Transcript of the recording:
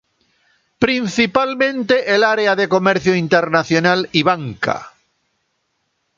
Principalmente el área de comercio internacional y banca.